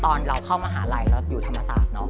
ตอนเราเข้ามหาลัยเราอยู่ธรรมศาสตร์เนอะ